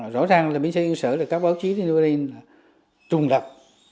rõ ràng là bến xe yên sở là các báo chí trùng lập